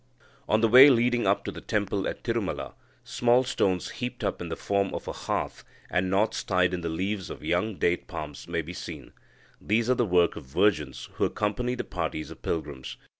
On the way leading up to the temple at Tirumala, small stones heaped up in the form of a hearth, and knots tied in the leaves of young date palms may be seen. These are the work of virgins who accompany the parties of pilgrims.